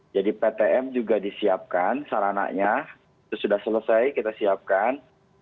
jadi ptm juga disiapkan sarananya sudah selesai kita siapkan